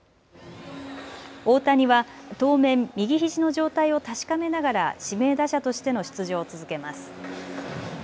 大谷は当面、右ひじの状態を確かめながら指名打者としての出場を続けます。